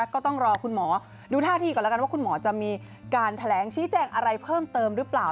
ก็ต้องรอคุณหมอดูท่าที่ก่อนแล้วกันว่าคุณหมอจะมีการแถลงชี้แจงอะไรเพิ่มเติมหรือเปล่า